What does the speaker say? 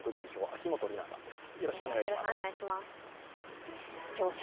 秋元里奈さんです。